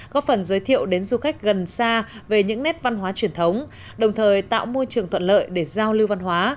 góp phần giới thiệu đến du khách gần xa về những nét văn hóa truyền thống đồng thời tạo môi trường thuận lợi để giao lưu văn hóa